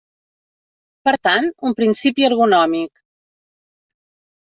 Per tant, un principi ergonòmic.